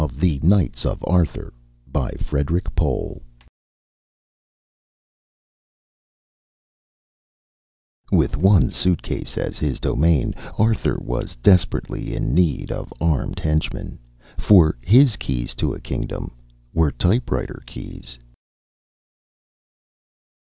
The Knights of Arthur By FREDERIK POHL Illustrated by MARTIN _With one suitcase as his domain, Arthur was desperately in need of armed henchmen ... for his keys to a kingdom were typewriter keys!